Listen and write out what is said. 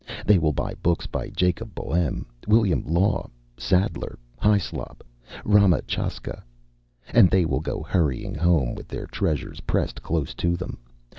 They will buy books by Jacob Boehme, William Law, Sadler, Hyslop, Ramachaska. And they will go hurrying home with their treasures pressed close to them.